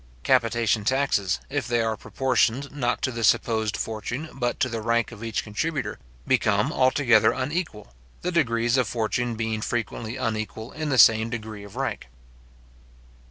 Capitation taxes, if they are proportioned, not to the supposed fortune, but to the rank of each contributor, become altogether unequal; the degrees of fortune being frequently unequal in the same degree of rank.